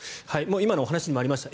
今のお話にもありました